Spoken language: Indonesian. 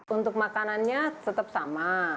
untuk makanannya tetap sama